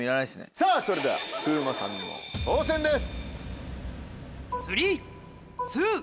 さぁそれでは風磨さんの挑戦です。